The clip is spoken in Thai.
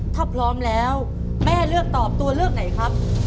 ถ้าพร้อมแล้วแม่เลือกตอบตัวเลือกไหนครับ